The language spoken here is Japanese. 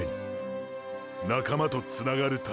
仲間とつながるために――。